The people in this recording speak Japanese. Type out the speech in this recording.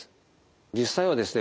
実際はですね